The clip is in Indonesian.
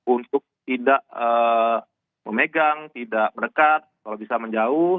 untuk tidak memegang tidak mendekat kalau bisa menjauh